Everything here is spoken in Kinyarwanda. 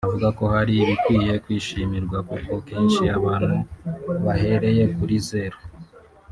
avuga ko hari ibikwiye kwishimirwa kuko kenshi abantu bahereye kuri zero